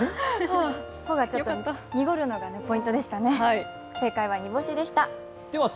「ほ」が濁るのがポイントでしたね。